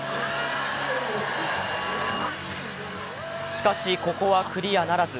しかし、ここはクリアならず。